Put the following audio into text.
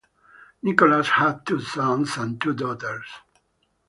Nicholas had two sons and two daughters.